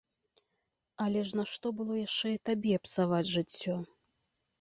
Але ж нашто было яшчэ і табе псаваць жыццё?